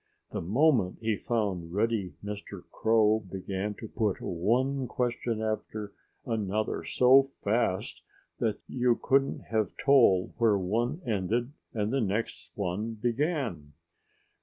The moment he found Reddy Mr. Crow began to put one question after another so fast that you couldn't have told where one ended and the next one began.